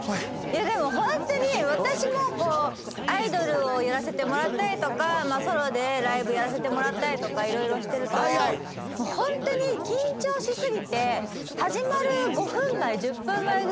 でもホントに私もアイドルをやらせてもらったりとかソロでライブやらせてもらったりとか色々してるとホントに緊張し過ぎて。